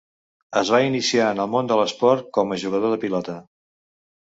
Es va iniciar en el món de l'esport com a jugador de pilota.